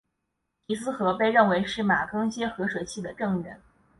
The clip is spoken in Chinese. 皮斯河被认为是马更些河水系的正源。